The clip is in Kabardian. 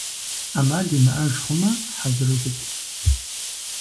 Ӏэмал имыӀэж хъумэ, хьэзыру щыт.